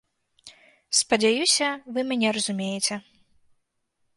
Спадзяюся, вы мяне разумееце!